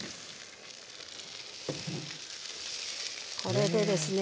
これでですね